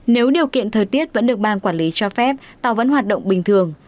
nếu điều kiện thời tiết vẫn được ban quản lý cho phép tàu vẫn hoạt động bình thường